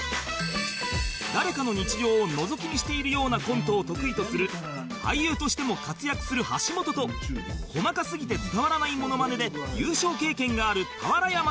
誰かの日常をのぞき見しているようなコントを得意とする俳優としても活躍する橋本と『細かすぎて伝わらないモノマネ』で優勝経験がある俵山によるコンビ